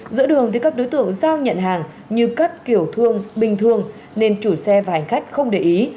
giữa đường thì các đối tượng giao nhận hàng như cắt kiểu thương bình thường nên chủ xe và hành khách không để ý